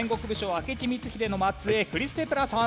明智光秀の末裔クリス・ペプラーさん。